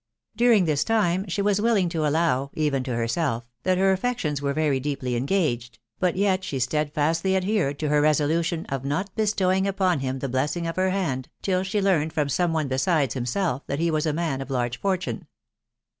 During this time she wa& mlli&% to allow, even to herself, that her affection* n*«* N«t^ ta&$?i I engaged, but yet she steadfastly adhered to her resolution of not bestowing upon him the blessing of her hand, till the learned from some one besides himself that he was a man of large fortune.